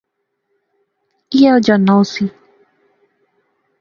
ایہہ او جاننا ہوسی